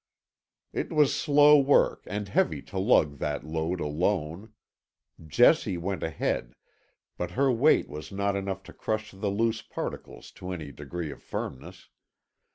It was slow work and heavy to lug that load alone. Jessie went ahead, but her weight was not enough to crush the loose particles to any degree of firmness.